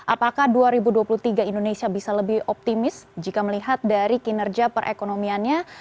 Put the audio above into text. apakah dua ribu dua puluh tiga indonesia bisa lebih optimis jika melihat dari kinerja perekonomiannya